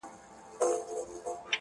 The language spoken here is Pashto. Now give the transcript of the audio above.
لاس دي راکه چي مشکل دي کړم آسانه،